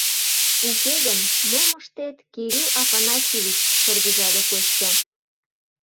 — Уке гын, мом ыштет, Кирилл Афанасьевич? — шыргыжале Костя.